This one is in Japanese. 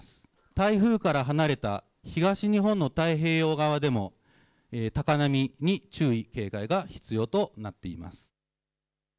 台風から離れた東日本の太平洋側でも高波に注意、警戒が必要となっています。